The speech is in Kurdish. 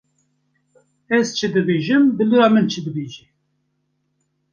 Ez çi dibêjim bilûra min çi dibêje.